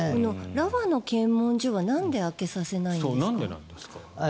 ラファの検問所はなんで開けさせないんですか？